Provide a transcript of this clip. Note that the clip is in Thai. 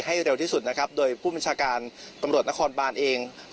ให้เร็วที่สุดนะครับโดยผู้บัญชาการตำรวจนครบานเอง